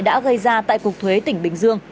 đã gây ra tại cục thuế tỉnh bình dương